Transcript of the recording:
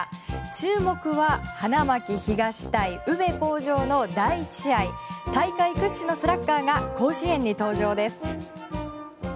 注目は花巻東対宇部鴻城の第１試合大会屈指のスラッガーが甲子園に登場です。